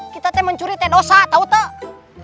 kita teh mencuri teh dosa tau teh